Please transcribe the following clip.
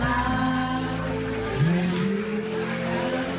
จากประธานสโมงศรอย่างมดรแป้งคุณดนทันร่ำ๓ครับ